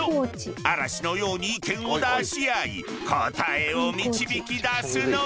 嵐のように意見を出し合い答えを導き出すのじゃ！